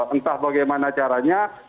entah bagaimana caranya